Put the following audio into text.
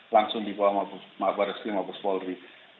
langsung dibawa mabes polri